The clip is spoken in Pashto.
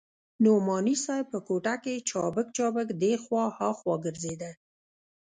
نعماني صاحب په کوټه کښې چابک چابک دې خوا ها خوا ګرځېده.